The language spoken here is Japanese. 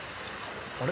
あれ？